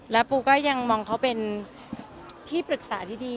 แล้วปูก็ยังมองเขาเป็นที่ปรึกษาที่ดี